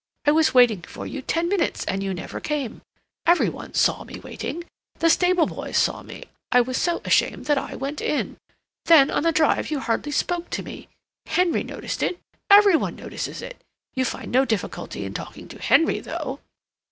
I was waiting for you ten minutes, and you never came. Every one saw me waiting. The stable boys saw me. I was so ashamed that I went in. Then, on the drive you hardly spoke to me. Henry noticed it. Every one notices it.... You find no difficulty in talking to Henry, though."